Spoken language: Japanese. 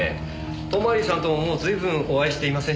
泊さんとももう随分お会いしていませんし。